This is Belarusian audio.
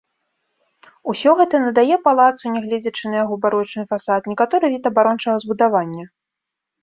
Усё гэта надае палацу, нягледзячы на яго барочны фасад, некаторы від абарончага збудавання.